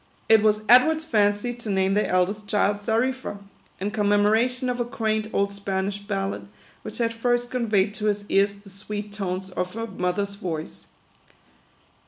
It was Edward's fancy to name their eldest child Xarifa ; in commemoration of a quaint old Spanish ballad, which had first conveyed to his ears the sweet tones of her mother's voice.